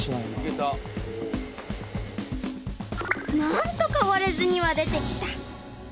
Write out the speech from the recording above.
［何とか割れずには出てきた］